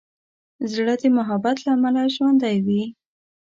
زړه د محبت له امله ژوندی وي.